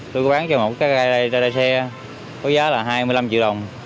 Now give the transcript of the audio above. tôi có bán cho một cái gai đai xe có giá là hai mươi năm triệu đồng